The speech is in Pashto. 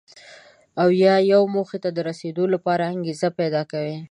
او یا یوې موخې ته د رسېدو لپاره انګېزه پیدا کوي.